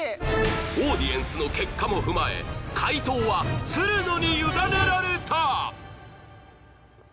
［オーディエンスの結果も踏まえ解答はつるのに委ねられた］